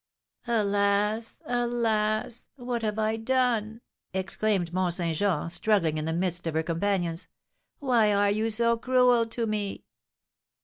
"Alas! alas! What have I done?" exclaimed Mont Saint Jean, struggling in the midst of her companions. "Why are you so cruel to me?"